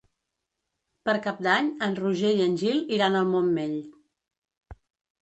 Per Cap d'Any en Roger i en Gil iran al Montmell.